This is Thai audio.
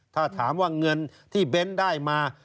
ถ้าถามว่าเงินที่เบ้นได้มา